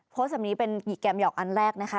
แบบนี้เป็นหยิกแกมหยอกอันแรกนะคะ